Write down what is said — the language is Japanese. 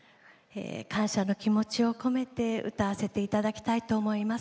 感謝の気持ちを込めて歌わせていただきたいと思います。